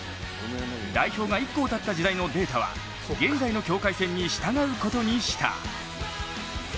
代表が１校だった時代のデータは現在の境界線に従うことにした。